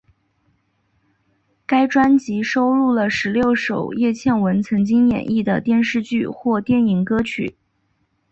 该专辑收录了十六首叶蒨文曾经演绎的电视剧或电影歌曲。